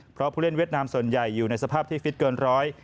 เพราะผู้เล่นเวียดนามส่วนใหญ่อยู่ในสภาพที่ฟิตเกินร้อย